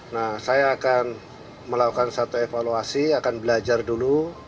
nah saya akan melakukan satu evaluasi akan belajar dulu